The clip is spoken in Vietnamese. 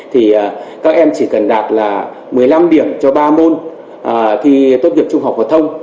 thì các em chỉ cần đạt là một mươi năm điểm cho ba môn thi tốt nghiệp trung học phổ thông